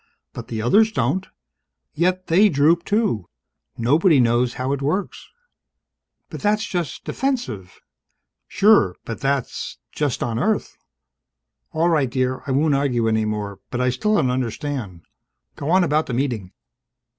But the others don't, yet they droop, too. Nobody knows how it works ..." "But that's just defensive!" "Sure. But that's just on Earth!" "All right, dear. I won't argue any more. But I still don't understand. Go on about the Meeting."